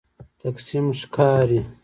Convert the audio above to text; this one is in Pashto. تقسیم ښکاري.